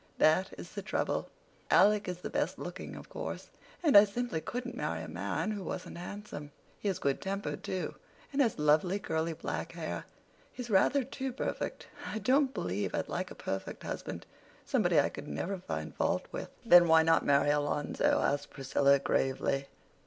That is the trouble. Alec is the best looking, of course, and I simply couldn't marry a man who wasn't handsome. He is good tempered too, and has lovely, curly, black hair. He's rather too perfect—I don't believe I'd like a perfect husband—somebody I could never find fault with." "Then why not marry Alonzo?" asked Priscilla gravely.